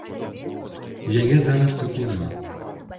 Яе зараз тут няма.